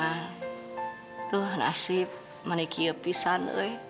aku masih punya pisan